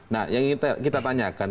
nah yang ingin kita tanyakan